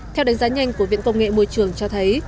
theo đánh giá nhanh của viện công nghệ môi trường cho thấy